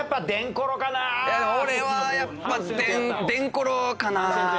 俺はやっぱ田コロかな。